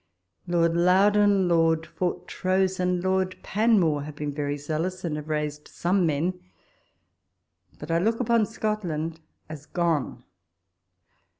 Lord Loudon, Lord Fortrose, and Lord Panmure have been very zealous, and have raised some men ; but I look upon Scotland as gone